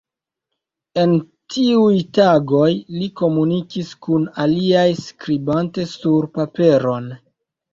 En tiuj tagoj li komunikis kun aliaj skribante sur paperon.